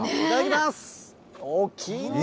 いただきます。